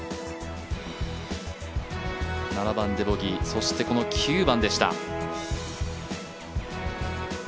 ７番でボギーそしてこの９番でした。